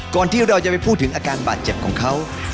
ที่เราจะไปพูดถึงอาการบาดเจ็บของเขา